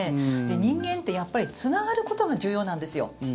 人間ってつながることが重要なんですよ。